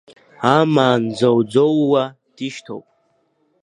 Амаан дӡоуӡоууа дишьҭоп.